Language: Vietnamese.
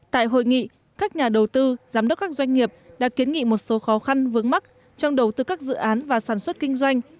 tại hội nghị các nhà đầu tư giám đốc các doanh nghiệp đã kiến nghị một số khó khăn vướng mắt trong đầu tư các dự án và sản xuất kinh doanh